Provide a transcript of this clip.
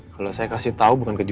kalau saya kasih tau bukan karena kamu